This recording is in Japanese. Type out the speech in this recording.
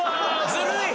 ずるい！